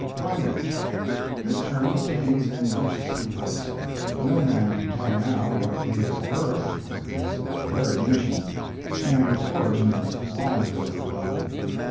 "Primage"—This term obtains in most seaports. No man can tell now what gave it birth, for it is very ancient, and its origin is long ago forgotten.